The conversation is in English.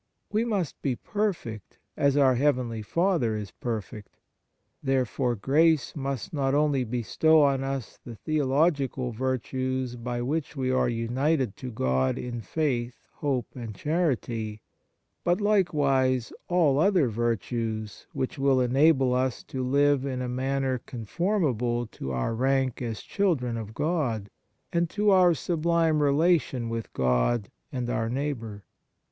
We must be perfect as our heavenly Father is perfect. Therefore grace must not only bestow on us the theological virtues by which we are united to God in faith, hope, and charity, but likewise all other virtues which will enable us to live in a manner conformable to our rank as children of God, and to our sublime relation with God and our neighbour.